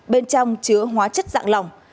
bên trong chứa hóa chất dạng lòng